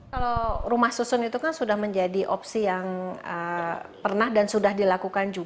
kalau rumah susun itu kan sudah menjadi opsi yang pernah dan sudah dilakukan